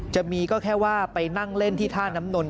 จะมีก็แค่ว่าไปนั่งเล่นที่ท่าน้ำนนท